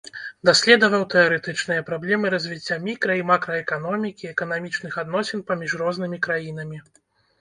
Даследаваў тэарэтычныя праблемы развіцця мікра- і макраэканомікі, эканамічных адносін паміж рознымі краінамі.